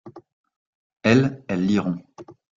Elles, elles liront.